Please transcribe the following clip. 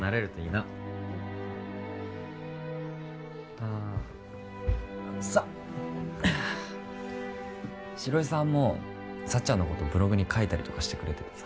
ああのさっあぁ城井さんも幸ちゃんのことブログに書いたりとかしてくれててさ。